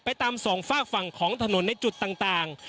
ตามสองฝากฝั่งของถนนในจุดต่าง